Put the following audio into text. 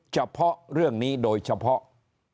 เฉพาะเรื่องนี้โดยเฉพาะ